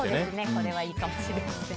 これはいいかもしれません。